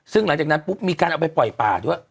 ซึ่งหลังจากนั้นปุ๊บมีการเอาไปปล่อยป่าด้วย